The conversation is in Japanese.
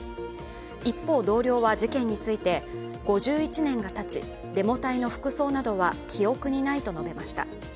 一方、同僚は事件について、５１年がたち、デモ隊の服装などは記憶にないと述べました。